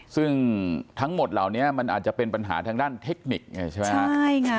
ซึ่งทั้งหมดเหล่านี้มันอาจจะเป็นปัญหาทางด้านเทคนิคไงใช่ไหมครับ